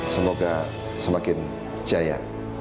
semoga semakin jaya